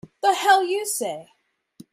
The hell you say!